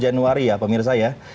januari ya pemirsa ya